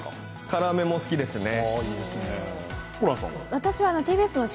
辛めも好きですね。